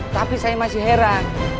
tapi saya masih heran